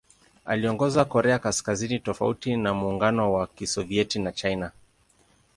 Aliongoza Korea Kaskazini tofauti na Muungano wa Kisovyeti na China.